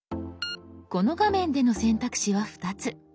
この画面での選択肢は２つ。